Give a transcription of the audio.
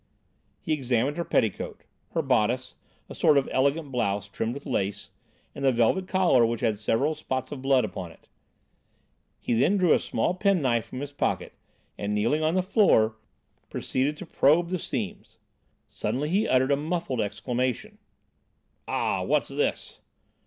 He examined her petticoat, her bodice, a sort of elegant blouse, trimmed with lace, and the velvet collar which had several spots of blood upon it. He then drew a small penknife from his pocket and, kneeling on the floor, proceeded to probe the seams. Suddenly he uttered a muffled exclamation: "Ah! What's this?"